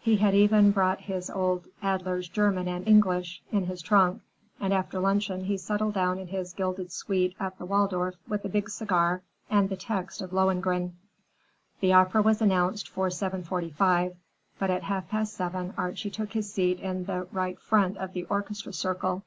He had even brought his old "Adler's German and English" in his trunk, and after luncheon he settled down in his gilded suite at the Waldorf with a big cigar and the text of "Lohengrin." The opera was announced for seven forty five, but at half past seven Archie took his seat in the right front of the orchestra circle.